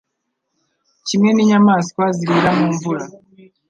Kimwe n'inyamaswa zirira mu mvura